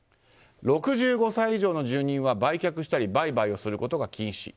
６５歳以上の住人は売却をしたり売買することが禁止。